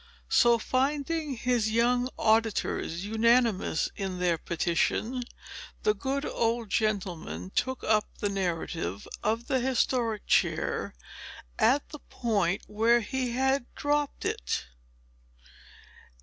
So, finding his young auditors unanimous in their petition, the good old gentleman took up the narrative of the historic chair, at the point where he had dropt it.